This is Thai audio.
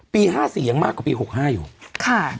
๕๔ยังมากกว่าปี๖๕อยู่ค่ะ